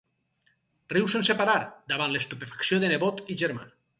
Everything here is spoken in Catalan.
Riu sense parar, davant l'estupefacció de nebot i germà.